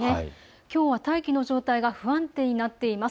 きょうは大気の状態が不安定になっています。